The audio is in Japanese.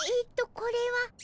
これは。